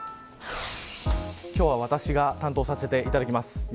今日は私が担当させていただきます。